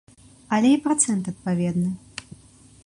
Але і працэнт адпаведны.